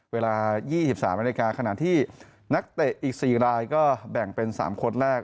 เวลา๒๓นาฬิกาขณะที่นักเตะอีก๔รายก็แบ่งเป็น๓คนแรก